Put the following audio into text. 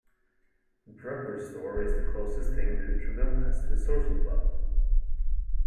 Drucker's Store is the closest thing Hooterville has to a social club.